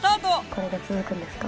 これが続くんですか？